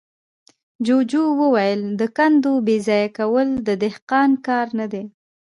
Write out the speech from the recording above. جوجو وويل: د کندو بېځايه کول د دهقان کار نه دی.